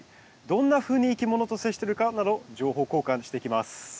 どんなふうにいきものと接してるかなど情報交換していきます。